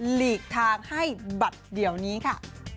หลีกทางให้บัตรเดียวนี้ค่ะ